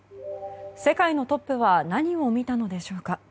世界のトップは何を見たのでしょうか。